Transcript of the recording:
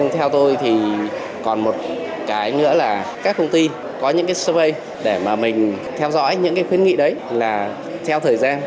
theo tôi thì còn một cái nữa là các công ty có những survey để mình theo dõi những khuyến nghị đấy là theo thời gian